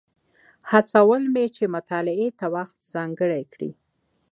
هڅول مې چې مطالعې ته وخت ځانګړی کړي.